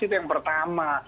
itu yang pertama